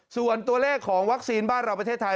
ส่วนตัวเลขของวัคซีนบ้านเราประเทศไทย